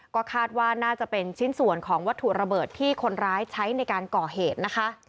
ก็คาดว่าน่าจะเป็นชิ้นส่วนของวัตถุระเบิดที่คนร้ายใช้ในการก่อเหตุนะคะ